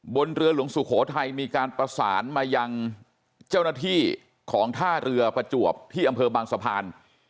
บนเรือหลวงสุโขทัยมีการประสานมายังเจ้าหน้าที่ของท่าเรือประจวบที่อำเภอบางสะพาน